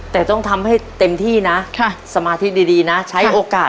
และต้องทำให้เต็มที่นะสมาธิดีนะ